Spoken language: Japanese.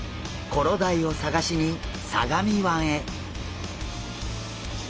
コロダイを探しに相模湾へ。